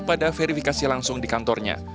pada verifikasi langsung di kantornya